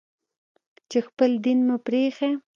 چې خپل دين مو پرې ايښى.